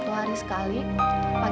terima kasih taufan